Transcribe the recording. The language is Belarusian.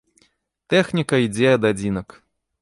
Тэхніка ідзе ад адзінак.